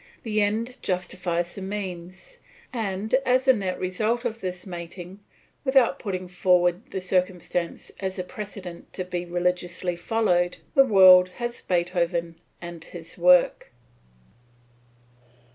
The end justifies the means; and as a net result of this mating, without putting forward the circumstance as a precedent to be religiously followed, the world has Beethoven and his work.